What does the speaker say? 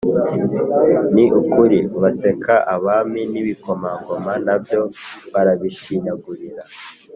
ni ukuri baseka abami, n’ibikomangoma na byo barabishinyagurira